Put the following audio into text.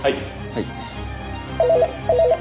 はい。